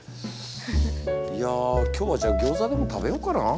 いや今日はじゃあギョーザでも食べようかな。